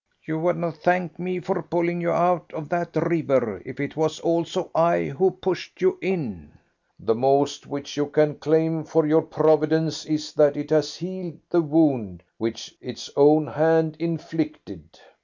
You would not thank me for pulling you out of that river if it was also I who pushed you in. The most which you can claim for your Providence is that it has healed the wound which its own hand inflicted."